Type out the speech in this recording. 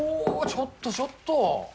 ちょっとちょっと！